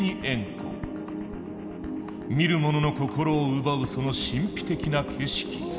見る者の心を奪うその神秘的な景色。